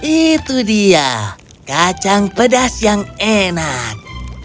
itu dia kacang pedas yang enak